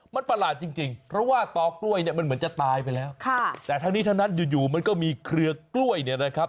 มันประหลาษจริงเพราะว่าท็อกล้วย